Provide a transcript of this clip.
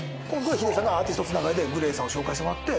ＨＩＤＥさんがアーティストつながりでＧＬＡＹさんを紹介してもらって。